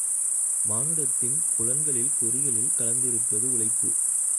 மானுடத்தின் புலன்களில், பொறிகளில் கலந்திருப்பது உழைப்பு.